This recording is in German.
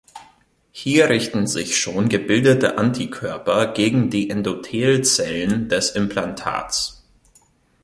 Hier richten sich schon gebildete Antikörper gegen die Endothelzellen des Implantats.